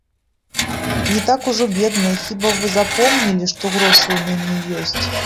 Не так ужо бедныя, хіба вы запомнілі, што грошы ў мяне ёсць?